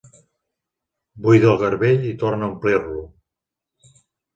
Buida el garbell i torna a omplir-lo.